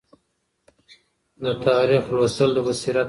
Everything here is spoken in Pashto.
د تاریخ لوستل د بصیرت نښه ده.